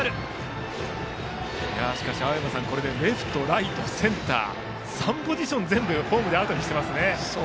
しかし青山さんライト、センター、レフト３ポジション全部ホームでアウトにしていますね。